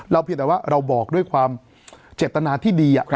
เพียงแต่ว่าเราบอกด้วยความเจตนาที่ดี